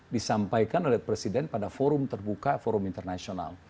disampaikan oleh presiden pada forum terbuka forum internasional